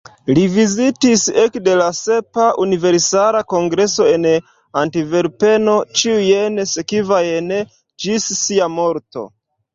Li vizitis ekde la sepa Universala Kongreso en Antverpeno ĉiujn sekvajn, ĝis sia morto.